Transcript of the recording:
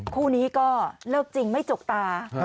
คู่นี้ก็เลิกจริงไม่จกตา